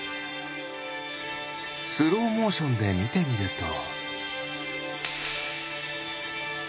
スローモーションでみてみると。